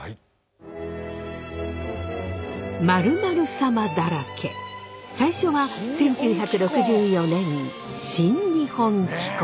〇〇サマだらけ最初は１９６４年「新日本紀行」。